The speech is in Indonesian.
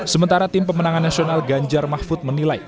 sementara tim pemenangan nasional ganjar mahfud menilai